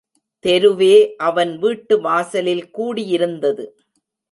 தெருவே அவன் வீட்டு வாசலில் கூடியிருந்தது.